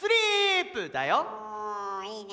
おいいね。